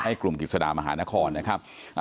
กลุ่มกิจสดามหานครนะครับ